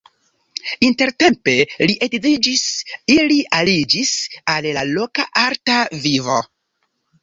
Intertempe li edziĝis, ili aliĝis al la loka arta vivo.